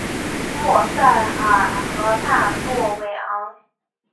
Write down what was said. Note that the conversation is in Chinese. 莫塞尔河畔诺韦昂。